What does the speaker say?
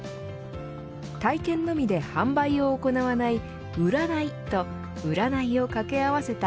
体験のみで販売を行わない売らないと占いを掛け合わせた